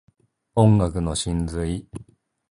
音楽の真髄